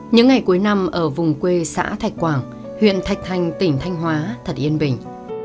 những ngày cuối năm ở vùng quê xã thạch quảng huyện thạch thành tỉnh thanh hóa thật yên bình